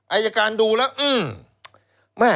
ไออาการดูแล้ว